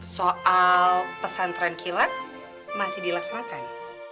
soal pesan tranquilak masih dilaksanakan